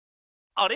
あれ？